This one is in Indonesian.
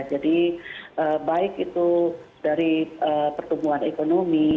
jadi baik itu dari pertumbuhan ekonomi